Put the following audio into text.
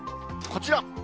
こちら。